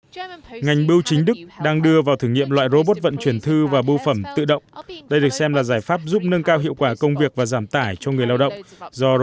các nhà nghiên cứu tại việt nam